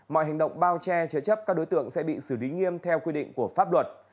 mọi hành động bao che chế chấp các đối tượng sẽ bị xử lý nghiêm theo quy định của pháp luật